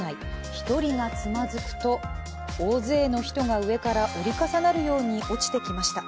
１人がつまずくと大勢の人が上から折り重なるように落ちてきました。